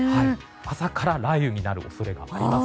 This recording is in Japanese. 朝から雷雨になる恐れがあります。